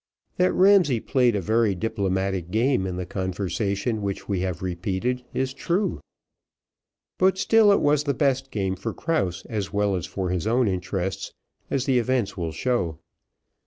That Ramsay played a very diplomatic game in the conversation which we have repeated is true; but still it was the best game for Krause as well as for his own interests, as the events will show.